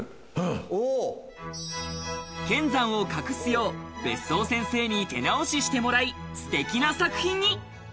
剣山を隠すよう別荘先生に手直ししてもらい、すてきな作品に。